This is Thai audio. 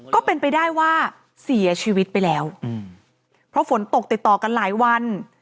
ก็เป็นไปได้ว่าเสียชีวิตไปแล้วเพราะฝนตกติดต่อกันหลายวัน